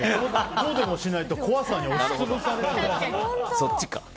そうでもしないと怖さに押し潰されそう。